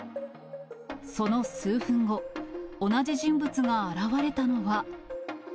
その数分後、同じ人物が現れたのは。